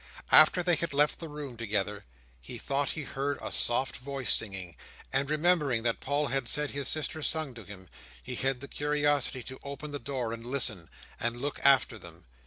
After they had left the room together, he thought he heard a soft voice singing; and remembering that Paul had said his sister sung to him, he had the curiosity to open the door and listen, and look after them.